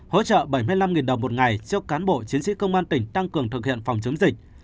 hỗ trợ bảy mươi năm đồng một ngày cho cán bộ chiến sĩ công an tỉnh tăng cường thực hiện phòng chống dịch